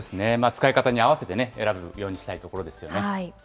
使い方に合わせて選ぶようにしたいところですよね。